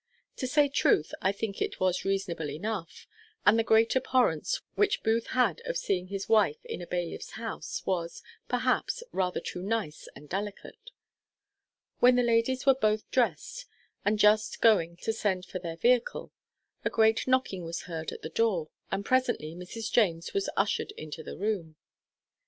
To say truth, I think it was reasonable enough; and the great abhorrence which Booth had of seeing his wife in a bailiff's house was, perhaps, rather too nice and delicate. When the ladies were both drest, and just going to send for their vehicle, a great knocking was heard at the door, and presently Mrs. James was ushered into the room.